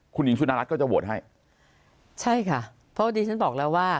คุณหญิงสุนรัฐก็จะโหวตให้ใช่ค่ะเพราะดิฉันบอกแล้วว่า